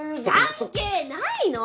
関係ないの！